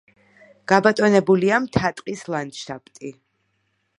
გაბატონებულია მთა-ტყის ლანდშაფტი.